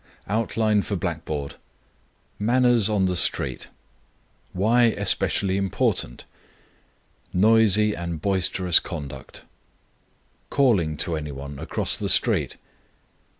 OUTLINE FOR BLACKBOARD. MANNERS ON THE STREET. Why especially important. Noisy and boisterous conduct. _Calling to any one across the street.